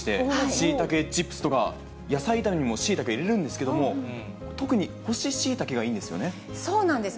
シイタケチップスとか、野菜炒めにもシイタケ入れるんですけれども、特に干しシイタケがそうなんです。